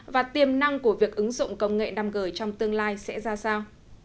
và tiềm năng của việc ứng dụng công nghệ năm g trong tương lai sẽ ra sao